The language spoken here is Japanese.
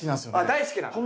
大好きなの？